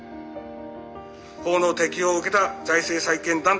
法の適用を受けた財政再建団体となり。